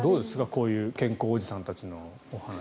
こういう健康おじさんたちの話。